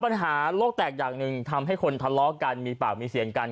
ปัญหาโลกแตกอย่างหนึ่งทำให้คนทะเลาะกันมีปากมีเสียงกัน